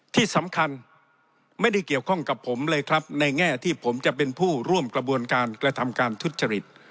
ที่สำคัญไม่ได้เกี่ยวข้องกับผมเลยครับในแง่ที่ผมจะเป็นผู้ร่วมกระบวนการกระทำการทุจริต